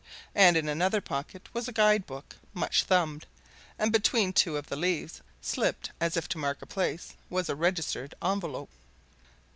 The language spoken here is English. And in another pocket was a guide book, much thumbed, and between two of the leaves, slipped as if to mark a place, was a registered envelope.